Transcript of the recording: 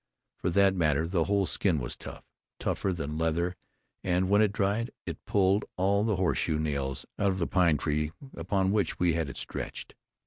For that matter, the whole skin was tough, tougher than leather; and when it dried, it pulled all the horseshoe nails out of the pine tree upon which we had it stretched.